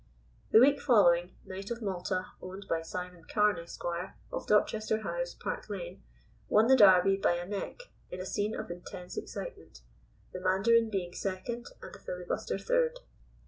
The week following, Knight of Malta, owned by Simon Carne, Esq., of Dorchester House, Park Lane, won the Derby by a neck in a scene of intense excitement, the Mandarin being second, and The Filibuster third.